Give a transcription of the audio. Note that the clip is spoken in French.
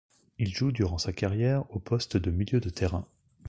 Il joue durant sa carrière au poste de milieu de terrain.